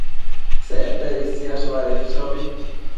Sectebi siash badedi chobi